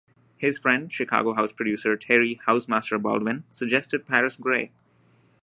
His friend, Chicago house producer Terry 'Housemaster' Baldwin suggested Paris Grey.